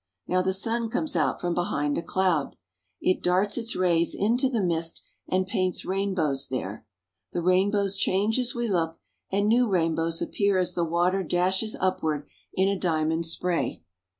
Now the sun comes out from behind a cloud. It darts its rays into the mist, and paints rainbows there. The rainbows change as we look, and new rainbows appear as the water dashes upward in a diamond spray.